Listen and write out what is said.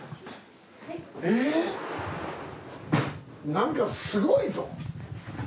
なんかすごいぞ。